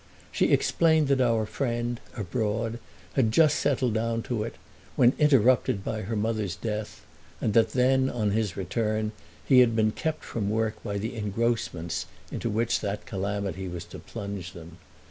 She explained that our friend, abroad, had just settled down to it when interrupted by her mother's death, and that then, on his return, he had been kept from work by the engrossments into which that calamity was to plunge them.